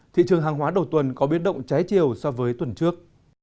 thị trường hàng hóa đầu tuần có biến động trái chiều so với tuần trước